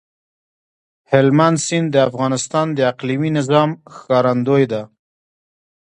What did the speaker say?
هلمند سیند د افغانستان د اقلیمي نظام ښکارندوی ده.